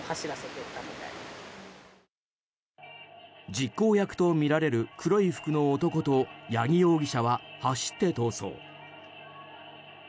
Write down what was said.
実行役とみられる黒い服の男と八木容疑者は走って逃走。